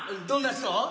どんな人？